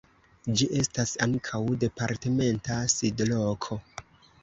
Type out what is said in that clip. Ĝi estas ankaŭ departementa sidloko.